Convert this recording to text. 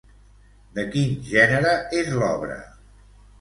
De quin gènere és, l'obra?